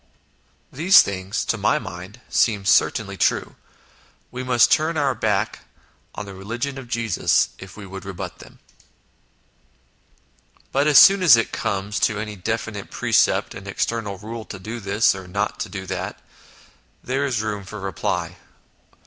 These things, to my mind, seem certainly true ; we must turn our back on the religion of Jesus if we would rebut them. But as soon as it comes to any definite precept and external rule to do this, or not to do that there is room for reply.